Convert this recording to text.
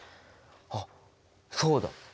あっそうだ！